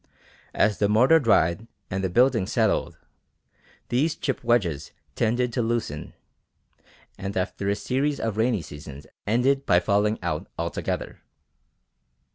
As the mortar dried and the building "settled," these chip wedges tended to loosen, and after a series of rainy seasons ended by falling out altogether.